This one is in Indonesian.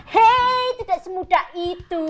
hei tidak semudah itu